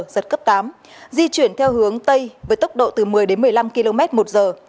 giật cấp tám di chuyển theo hướng tây với tốc độ từ một mươi đến một mươi năm km một giờ